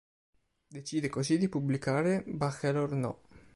Decide così di pubblicare "Bachelor No.